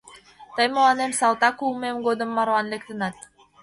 Тый мыланем салтак улмем годым марлан лектынат.